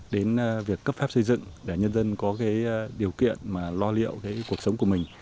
đến việc cấp phép xây dựng để nhân dân có cái điều kiện mà lo liệu cái cuộc sống của mình